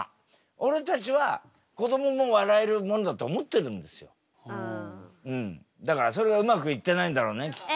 俺たちはだからそれがうまくいってないんだろうねきっとね。